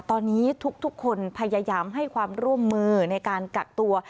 ตอนนี้ทุกคนพยายามให้ความร่วมมือในการกักตัว